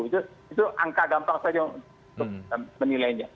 itu angka gampang saja untuk menilainya